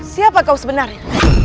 siapa kau sebenarnya